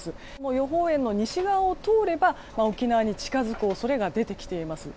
予報円の西側を通れば沖縄に近づく恐れが出てきています。